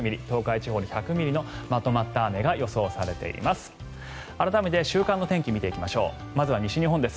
東海地方で１００ミリのまとまった雨が予想されています。